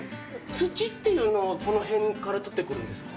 土っていうのはこの辺から取ってくるんですか。